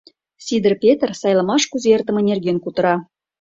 Сидыр Петр сайлымаш кузе эртыме нерген кутыра.